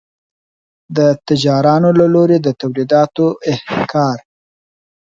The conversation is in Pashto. د تجارانو له لوري د تولیداتو احتکار.